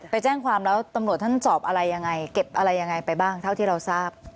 ไปแจ้งความแล้วตำรวจท่านสอบอะไรยังไงเก็บอะไรยังไงไปบ้างเท่าที่เราทราบ